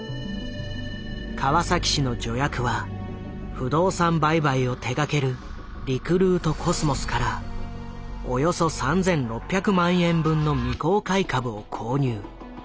川崎市の助役は不動産売買を手がけるリクルートコスモスからおよそ３，６００万円分の未公開株を購入。